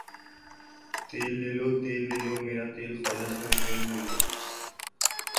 تیل لے لو ، تیل لے لو میرا تیل خالص ھے تیل لے لو تیل لے لو